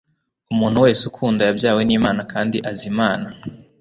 «Umuntu wese ukunda yabyawe n'Imana, kandi azi Imana?